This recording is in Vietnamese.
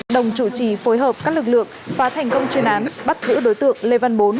đồng chủ trì phối hợp các lực lượng phá thành công chuyên án bắt giữ đối tượng lê văn bốn